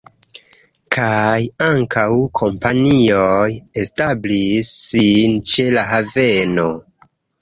Kaj ankaŭ kompanioj establis sin ĉe la haveno.